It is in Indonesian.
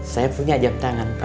saya punya jam tangan pak